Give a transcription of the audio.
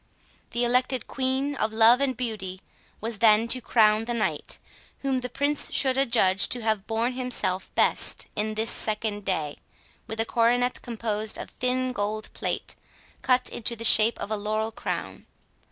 The elected Queen of Love and Beauty was then to crown the knight whom the Prince should adjudge to have borne himself best in this second day, with a coronet composed of thin gold plate, cut into the shape of a laurel crown.